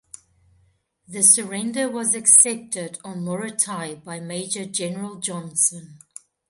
The surrender was accepted on Morotai by Major General Johnson.